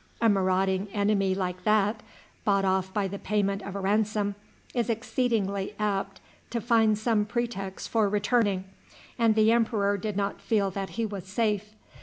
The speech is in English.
A marauding enemy like that, bought off by the payment of a ransom, is exceedingly apt to find some pretext for returning, and the emperor did not feel that he was safe.